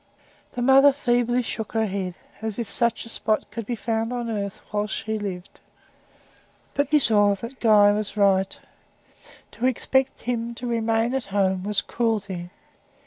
The mother feebly shook her head. As if such a spot could be found on earth, while SHE lived. But she saw that Guy was right. To expect him to remain at home was cruelty.